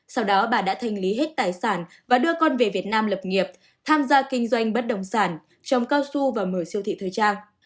sau đó bà đã thanh lý hết tài sản và đưa con về việt nam lập nghiệp tham gia kinh doanh bất đồng sản trồng cao su và mở siêu thị thời trang